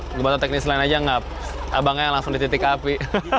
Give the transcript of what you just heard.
ngebantu teknis lain aja gak abangnya yang langsung dititik api